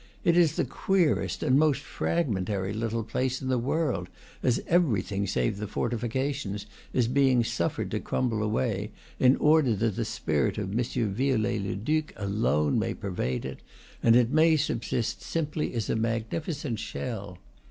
It is the queerest and most fragmentary little place in the world, as everything save the fortifications is being suffered to crumble away, in order that the spirit of M. Viollet le Duc alone may pervade it, and it may subsist simply as a magnificent shell.